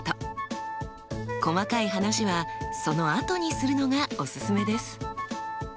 細かい話はそのあとにするのがおすすめです。